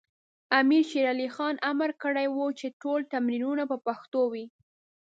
امیر شیر علی خان امر کړی و چې ټول تمرینونه په پښتو وي.